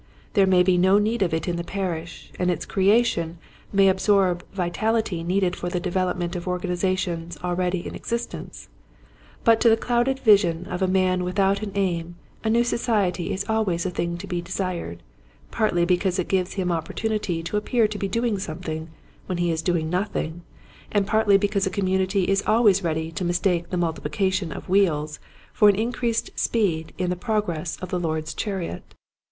There may be no need of it in the parish, and its creation may absorb vitality needed for the devel opment of organizations already in exist ence, but to the clouded vision of a man without an aim a new society is always a thing to be desired, partly because it gives him opportunity to appear to be doing something when he is doing nothing and partly because a community is always ready to mistake the multiplication of wheels for an increased speed in the progress of the Lord's chariot.